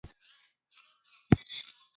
خو د جګړې دوام د دواړو هیوادونو په ګټه نه و